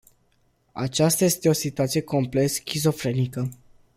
Aceasta este o situație complet schizofrenică.